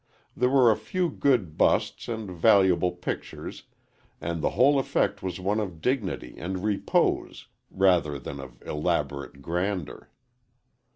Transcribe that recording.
There were a few good busts and valuable pictures, and the whole effect was one of dignity and repose rather than of elaborate grandeur.